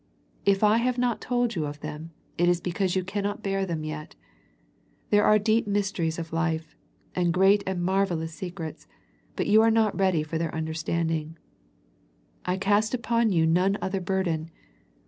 If I have not told you of them, it is because you cannot bear them yet. There are deep mysteries of life, and great and marvellous secrets, but you are not ready for their understanding. " I cast upon you none other burden."